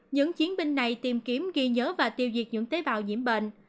những chiến binh này tìm kiếm ghi nhớ và tiêu diệt những tế bào nhiễm bệnh